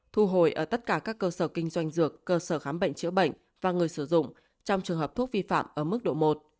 thu hồi ở tất cả các cơ sở kinh doanh dược cơ sở khám bệnh chữa bệnh và người sử dụng trong trường hợp thuốc vi phạm ở mức độ một